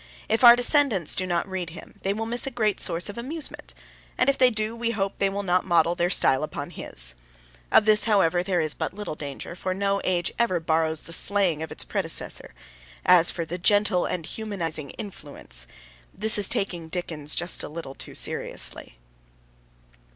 If our descendants do not read him they will miss a great source of amusement, and if they do, we hope they will not model their style upon his. Of this, however, there is but little danger, for no age ever borrows the slang of its predecessor. As for 'the gentle and humanising influence,' this is taking Dickens just a little too seriously.